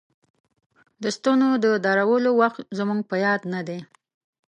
د ستنو د درولو وخت زموږ په یاد نه دی.